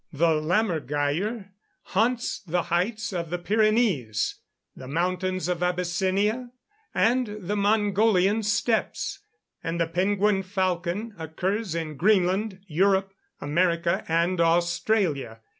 The lammergeyer haunts the heights of the Pyrenees, the mountains of Abyssinia, and the Mongolian steppes; and the penguin falcon occurs in Greenland, Europe, America, and Australia.